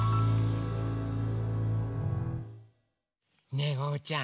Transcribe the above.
ねえおうちゃん。